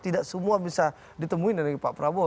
tidak semua bisa ditemuin dari pak prabowo